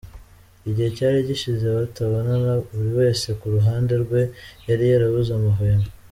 Igihe cyari gishize batabonana, buri wese ku ruhande rwe yari yarabuze amahwemo.